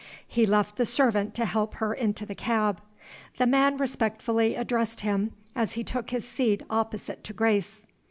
He left the servant to help her into the cab. The man respectfully addressed him as he took his seat opposite to Grace.